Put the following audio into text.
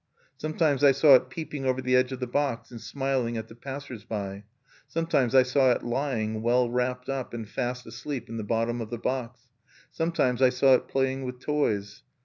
Sometimes I saw it peeping over the edge of the box, and smiling at the passers by; sometimes I saw it lying, well wrapped up and fast asleep, in the bottom of the box; sometimes I saw it playing with toys.